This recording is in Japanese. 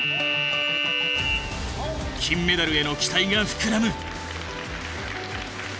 金メダルへの期待が膨らむ！